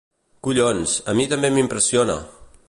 Collons, a mi també m'impressiona!